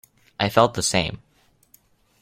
I felt the same.